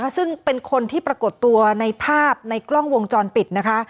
ซึ่งเป็นคนที่ปรากฏตัวในภาพในกล้องวงจรปิดนะคะ